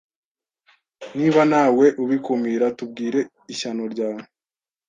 Niba ntawe ubikumira tubwire ishyano ryawe